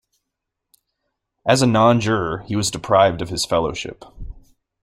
As a non-juror, he was deprived of his fellowship.